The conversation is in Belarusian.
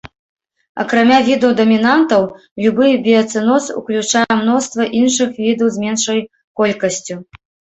Акрамя відаў-дамінантаў, любы біяцэноз уключае мноства іншых відаў з меншай колькасцю.